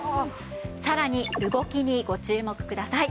さらに動きにご注目ください。